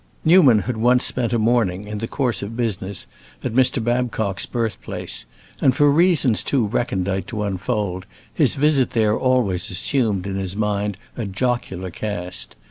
Newman had once spent a morning, in the course of business, at Mr. Babcock's birthplace, and, for reasons too recondite to unfold, his visit there always assumed in his mind a jocular cast.